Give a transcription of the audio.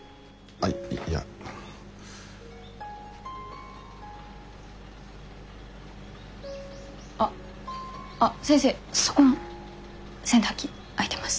ああっ先生そこの洗濯機空いてます。